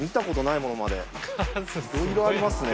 いろいろありますね